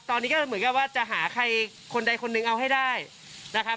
ตอนนี้ก็เหมือนกับว่าจะหาใครคนใดคนหนึ่งเอาให้ได้นะครับ